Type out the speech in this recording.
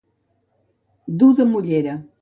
Dur de mollera.